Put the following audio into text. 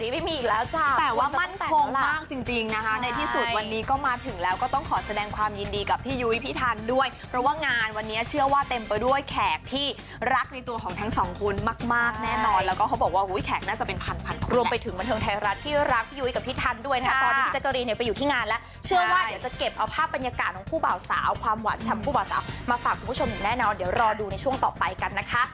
ปีใจขูดพูดที่ไม่มีแล้วแต่ว่ามั่นคงมากจริงนะคะในที่สุดวันนีก็มาถึงแล้วก็ต้องขอแสดงความยินดีกับพี่ยุย